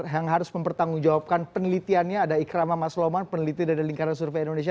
yang harus mempertanggungjawabkan penelitiannya ada ikram amas loman peneliti dari lingkaran survei indonesia